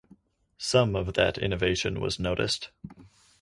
Some of that innovation was noticed.